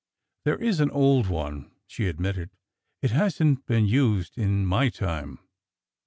"There is an old one," she admitted. "It hasn't been used in my time."